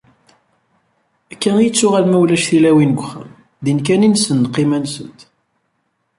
Akka i yettuɣal ma ulac tilawin deg uxxam, din kan i nessen lqima-nsent!